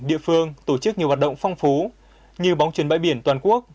địa phương tổ chức nhiều hoạt động phong phú như bóng truyền bãi biển toàn quốc